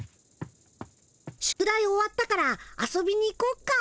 宿題終わったから遊びに行こっか。